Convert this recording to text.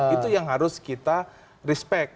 itu yang harus kita respect